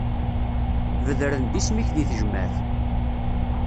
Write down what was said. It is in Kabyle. Bedren-d isem-ik di tejmaεt.